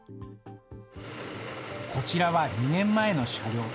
こちらは２年前の車両。